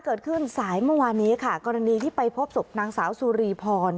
เกิดขึ้นสายเมื่อวานนี้ค่ะกรณีที่ไปพบศพนางสาวสุรีพร